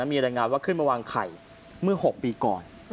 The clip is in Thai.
มีรายงานว่าขึ้นมาวางไข่เมื่อ๖ปีก่อน